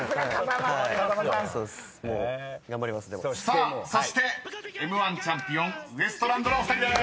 ［さあそしてＭ−１チャンピオンウエストランドのお二人です！］